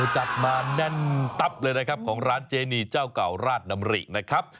จัดมาแน่นตับเลยนะครับของร้านเจนีเจ้าเก่าราชดำรินะครับ